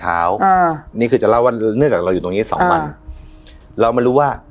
อ่านี่คือจะเล่าว่าเนื่องจากเราอยู่ตรงนี้สองวันเรามารู้ว่า